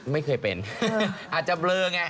ไม่เคยเป็นอาจจะเบลอไง